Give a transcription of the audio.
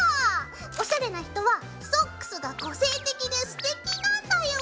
おしゃれな人はソックスが個性的でステキなんだよ。